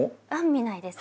見ないです